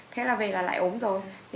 thế là về là lại ốm rồi